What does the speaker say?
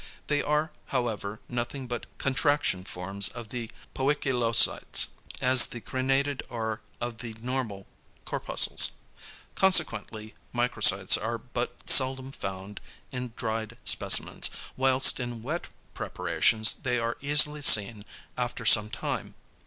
They are however nothing but contraction forms of the poikilocytes, as the crenated are of the normal corpuscles. Consequently microcytes are but seldom found in dried specimens, whilst in wet preparations they are easily seen after some time.